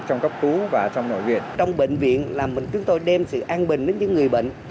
trong bệnh viện là chúng tôi đem sự an bình đến những người bệnh